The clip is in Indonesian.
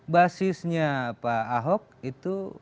basisnya pak ahok itu